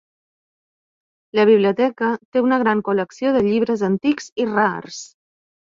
La biblioteca té una gran col·lecció de llibres antics i rars.